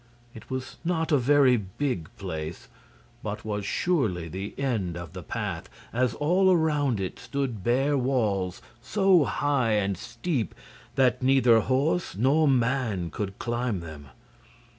It was not a very big place, but was surely the end of the path, as all around it stood bare walls so high and steep that neither horse nor man could climb them.